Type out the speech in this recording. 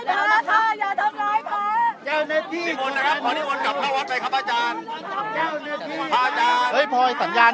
ถ้าถ้าไม่กลับเข้าไปนะครับผมก็ต้องขอคืนพื้นที่ถึงโรงเรียนต่อไฟฟ้านะครับ